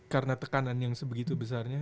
karena tekanan yang sebegitu besarnya